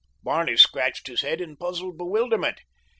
Barney scratched his head in puzzled bewilderment.